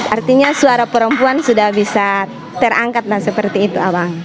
artinya suara perempuan sudah bisa terangkat seperti itu abang